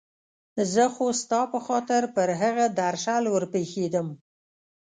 زه خو ستا په خاطر پر هغه درشل ور پېښېدم.